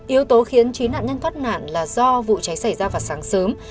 yếu tố khiến chín nạn nhân thoát nạn là do vụ cháy xảy ra vào sáng sớm